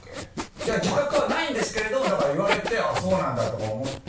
いや自覚はないんですけれどだから言われて「あぁそうなんだ」とか思って。